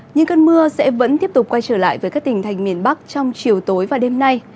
những cơn mưa sẽ vẫn tiếp tục quay trở lại với các tỉnh thành miền bắc trong chiều tối và đêm nay